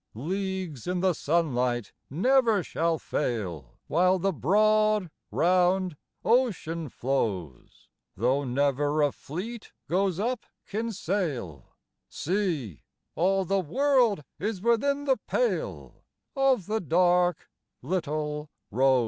Leagues in the sunlight never shall fail While the broad, round ocean flows; Though never a fleet goes up Kinsale, See, all the world is within the pale Of the dark little Rose.